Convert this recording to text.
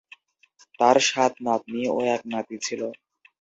তার সাত নাতনী ও এক নাতি ছিল।